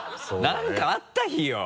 何かあった日よ。